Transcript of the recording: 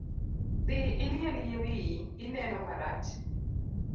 Dhii iliel yie wiyi , gi neno marach.